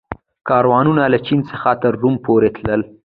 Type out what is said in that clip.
کاروانونه له چین څخه تر روم پورې تلل